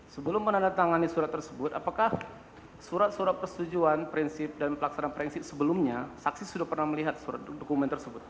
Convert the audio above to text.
sebelum menandatangani surat tersebut apakah surat surat persetujuan prinsip dan pelaksanaan prinsip sebelumnya saksi sudah pernah melihat surat dokumen tersebut